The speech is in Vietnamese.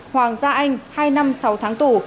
hoàng gia anh hai năm sáu tháng tù